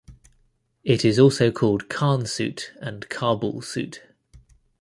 It is also called Khan suit and Kabul suit.